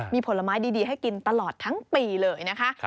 มีผลไม้ดีให้กินตลอดทั้งปีเลยนะคะ